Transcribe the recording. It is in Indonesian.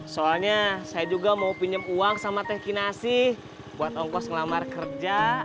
soalnya saya juga mau pinjam uang sama teh kinasi buat ongkos ngelamar kerja